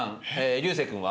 流星君は？